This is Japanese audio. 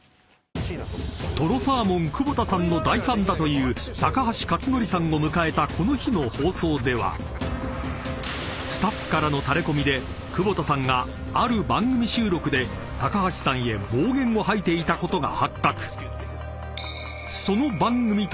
［とろサーモン久保田さんの大ファンだという高橋克典さんを迎えたこの日の放送ではスタッフからのタレコミで久保田さんがある番組収録で高橋さんへ暴言を吐いていたことが発覚］